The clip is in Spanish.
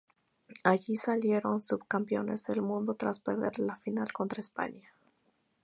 Allí salieron Subcampeones del Mundo, tras perder la final contra España.